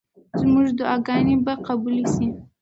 زموږ دعاګانې به قبولې شي.